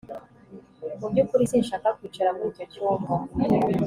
Mu byukuri sinshaka kwicara muri icyo cyumba